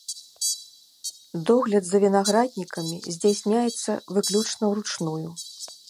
Догляд за вінаграднікамі здзяйсняецца выключна ўручную.